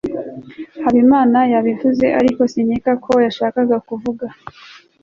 habimana yabivuze, ariko sinkeka ko yashakaga kuvuga